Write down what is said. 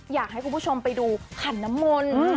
อยากให้คุณผู้ชมไปดูขันน้ำมนต์